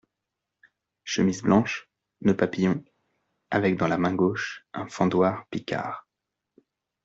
chemise blanche, nœud papillon, avec dans la main gauche un fendoir picard.